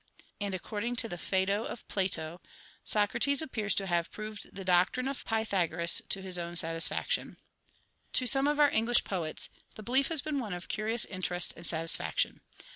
And according to the Phaedo of Plato, Sokrates appears to have proved the doctrine of Pythagoras to his own satisfaction. To some of our English poets the belief has been one of curious interest and satisfaction.